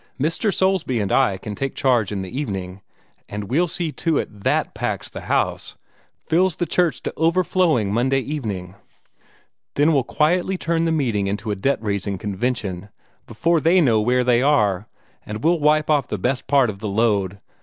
Mr. Soulsby and I can take charge in the evening, and we'll see to it that THAT packs the house fills the church to overflowing Monday evening. Then we'll quietly turn the meeting into a debt raising convention, before they know where they are, and we'll wipe off the best part of the load.